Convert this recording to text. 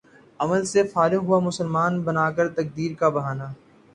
عمل سے فارغ ہوا مسلماں بنا کر تقدیر کا بہانہ